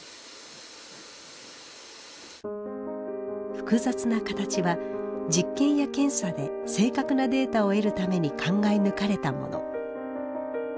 複雑な形は実験や検査で正確なデータを得るために考え抜かれたもの。